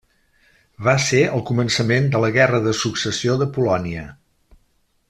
Va ser el començament de la Guerra de Successió de Polònia.